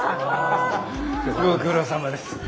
ご苦労さまです。